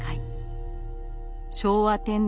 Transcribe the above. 昭和天皇